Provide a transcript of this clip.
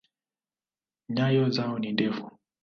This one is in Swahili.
Nyayo zao ni ndefu.